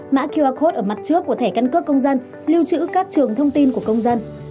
mã qr code ở mặt trước của thẻ căn cước công dân lưu trữ các trường thông tin của công dân